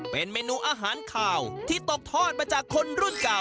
เป็นเมนูอาหารขาวที่ตกทอดมาจากคนรุ่นเก่า